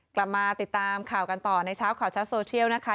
กลับมาติดตามข่าวกันต่อในเช้าข่าวชัดโซเชียลนะคะ